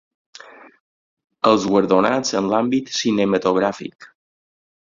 Els guardonats en l’àmbit cinematogràfic.